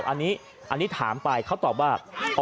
อันนี้ถามไปเขาตอบว่า